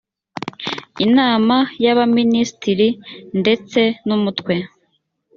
inama y abaminisitiri ndetse n umutwe